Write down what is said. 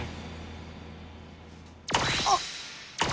あっ！